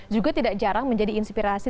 juga tidak jarang menjadi inspirasi